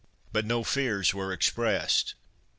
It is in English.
But no fears were expressed.